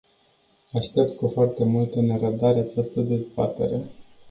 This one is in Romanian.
Aștept cu foarte multă nerăbdare această dezbatere.